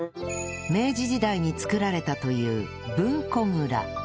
明治時代に造られたという文庫蔵